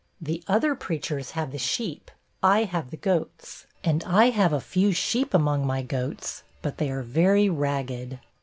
The other preachers have the sheep, I have the goats. And I have a few sheep among my goats, but they are very ragged.'